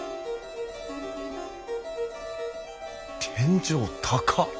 天井高っ！